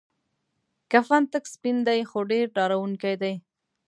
کفن تک سپین دی خو ډیر ډارونکی دی.